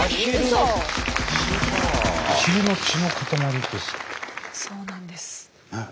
そうなんです。